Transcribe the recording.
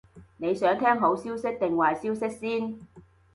你想聽好消息定壞消息先？